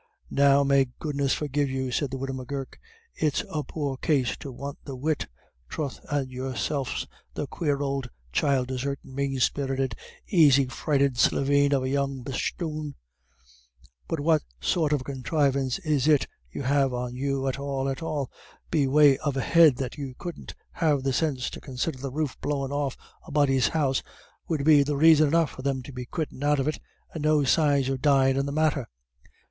"Now, may goodness forgive you," said the widow M'Gurk, "it's a poor case to want the wit. Troth, and yourself's the quare ould child desertin', mane spirited, aisy frighted slieveen of a young bosthoon; but what sort of a conthrivance is it you have on you at all at all be way of a head that you couldn't have the sinse to considher the roof blowin' off a body's house 'ud be raison enough for them to be quittin' out of it, and no signs of dyin' in the matter?